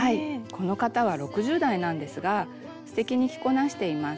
この方は６０代なんですがすてきに着こなしています。